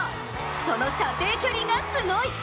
その射程距離がすごい！